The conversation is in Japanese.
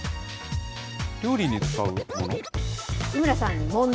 料理に使うもの？